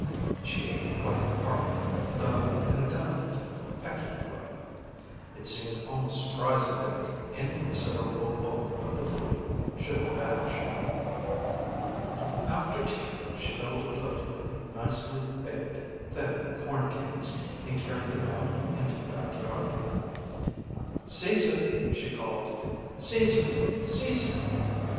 She ate quite heartily, though, in a delicate, pecking, way; it seemed almost surprising that any considerable bulk of the food should vanish. After tea she filled a plate with nicely baked thin corn cakes, and carried them out into the back yard. "Caesar!" she called. " Caesar! Caesar!"